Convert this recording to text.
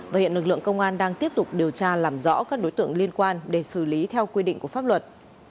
và hiện lực lượng công an đang tiếp tục điều tra làm rõ các đối tượng liên quan để xử lý theo quy định của pháp luật